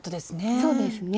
そうですね。